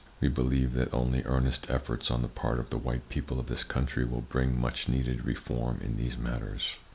We believe that only earnest efforts on the part of the white people of this country will bring much needed reform in these matters.